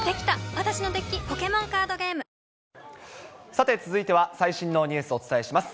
さて、続いては最新のニュースをお伝えします。